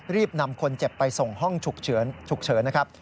รีบนำคนเจ็บไปส่งห้องฉุกเฉินนะครับ